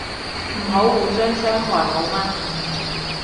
唔好互相傷害好嗎